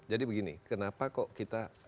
jadi begini kenapa kok kita